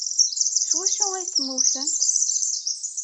S wacu ay kem-wtent?